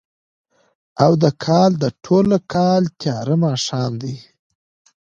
او د کال، د ټوله کال تیاره ماښام دی